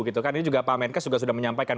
ini juga pak menkes juga sudah menyampaikan